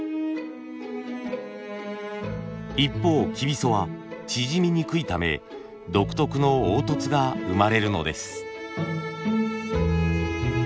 一方きびそは縮みにくいため独特の凹凸が生まれるのです。